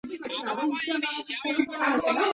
女子把一张写有西夏文字的布条交给赵行德。